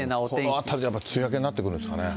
このあたりで梅雨明けになってくるんでしょうかね。